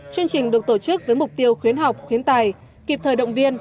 chương trình được tổ chức với mục tiêu khuyến học khuyến tài kịp thời động viên